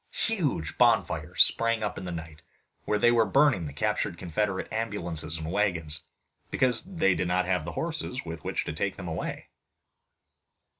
Huge bonfires sprang up in the night, where they were burning the captured Confederate ambulances and wagons, because they did not have the horses with which to take them away.